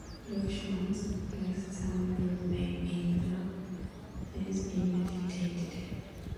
Corrections could then be made in the scene immediately.